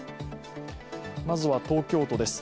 まずは、東京都です。